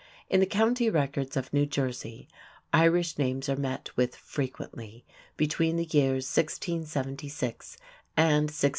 In the County records of New Jersey, Irish names are met with frequently between the years 1676 and 1698.